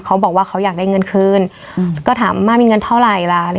เขาบอกว่าเขาอยากได้เงินคืนก็ถามว่ามีเงินเท่าไหร่ล่ะ